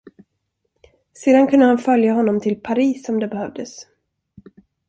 Sedan kunde han följa honom till Paris om det behövdes.